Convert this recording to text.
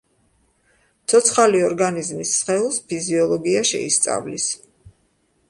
ცოცხალი ორგანიზმის სხეულს ფიზიოლოგია შეისწავლის.